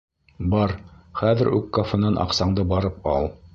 Бар, хәҙер үк кафенан аҡсаңды барып ал!